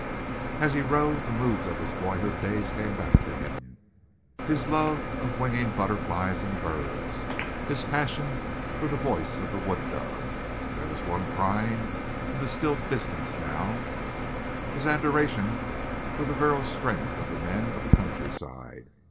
As he rode the moods of his boyhood days came back to him his love of winging butterflies and birds; his passion for the voice of the wood dove (there was one crying in the still distance now) his adoration for the virile strength of the men of the countryside.